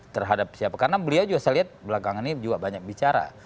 terhadap siapa karena beliau juga saya lihat belakangan ini juga banyak bicara